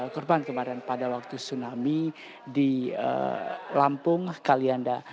korban kemarin pada waktu tsunami di lampung kalianda